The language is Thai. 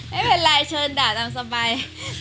ไม่เป็นไรเชิญด่าตามสบาย